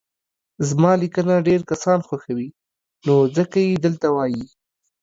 زما ليکنه ډير کسان خوښوي نو ځکه يي دلته وايي